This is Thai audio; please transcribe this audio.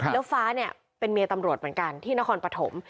แล้วฟ้าเนี่ยเป็นเมียตำรวจเหมือนกันที่นครปฐม